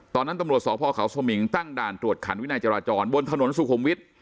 ตอนนั้นตำรวจสคสมิงตั้งด่านตรวจขันวินายจราจรบนถนนสุขมวิท